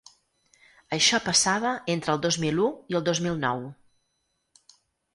Això passava entre el dos mil u i el dos mil nou.